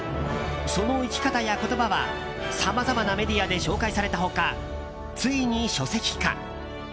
その生き方や言葉はさまざまなメディアで紹介された他、ついに書籍化。